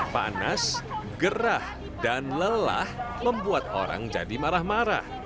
panas gerah dan lelah membuat orang jadi marah marah